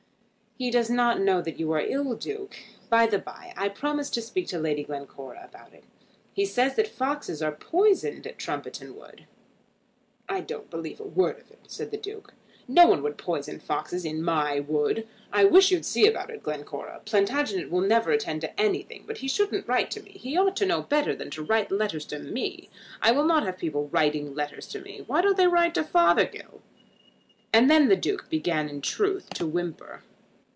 "He does not know that you are ill, Duke. By the bye, I promised to speak to Lady Glencora about it. He says that foxes are poisoned at Trumpeton Wood." "I don't believe a word of it," said the Duke. "No one would poison foxes in my wood. I wish you'd see about it, Glencora. Plantagenet will never attend to anything. But he shouldn't write to me. He ought to know better than to write letters to me. I will not have people writing letters to me. Why don't they write to Fothergill?" and then the Duke began in truth to whimper.